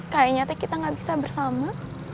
kayaknya kita gak bisa bersama